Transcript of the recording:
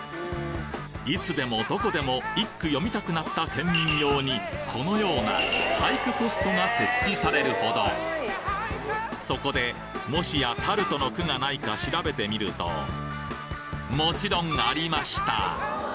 いつでもどこでも一句詠みたくなった県民用にこのような俳句ポストが設置されるほどそこでもしやタルトの句がないか調べてみるともちろんありました！